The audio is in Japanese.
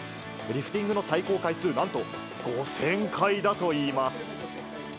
リフティングの最高回数、なんと５０００回だといいます。